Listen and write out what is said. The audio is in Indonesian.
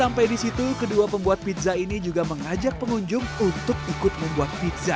tak cukup disitu kedua pembuat pizza ini juga mengajak pengunjung untuk ikut membuat pizza